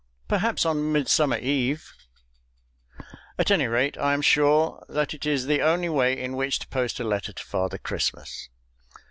Perhaps on Midsummer Eve At any rate I am sure that it is the only way in which to post a letter to Father Christmas.